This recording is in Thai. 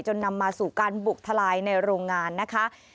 นำมาสู่การบุกทลายในโรงงานนะคะ